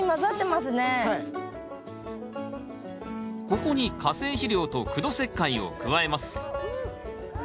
ここに化成肥料と苦土石灰を加えます。